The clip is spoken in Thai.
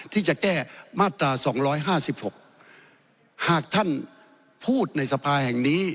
ที่จะแก้มาตรา๒๕๖หากท่านพูดในสภาแห่งนี้